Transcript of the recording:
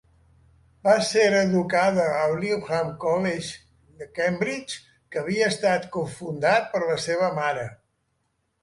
Va ser educada al Newnham College, Cambridge, que havia estat cofundat per la seva mare.